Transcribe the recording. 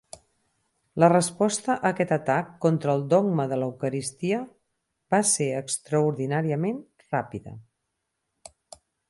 La resposta a aquest atac contra el dogma de l'eucaristia va ser extraordinàriament ràpida.